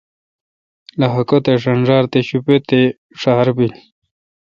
لخہ کتہ ݫنݫار تے شوپے تے ڄھار بیل۔